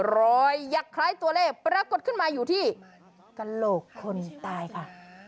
ยักษ์คล้ายตัวเลขปรากฏขึ้นมาอยู่ที่กระโหลกคนตายค่ะ